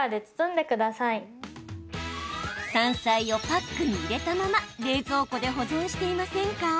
山菜をパックに入れたまま冷蔵庫で保存していませんか？